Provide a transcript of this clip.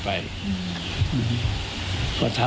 ถึงมาสอน